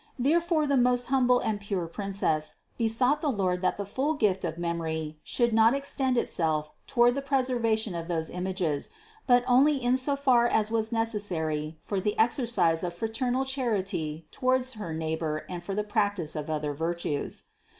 Therefore the most humble and pure Princess besought the Lord that the full gift of memory should not extend itself toward the preservation of these images, but only in so far as was necessary for the exercise of fraternal charity towards her neighbor and for the practice of other virtues.